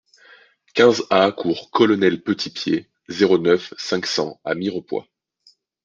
quinze A cours Colonel Petitpied, zéro neuf, cinq cents à Mirepoix